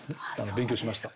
勉強しました。